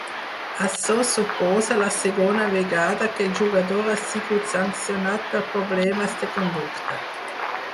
Açò suposa la segona vegada que el jugador ha sigut sancionat per problemes de conducta.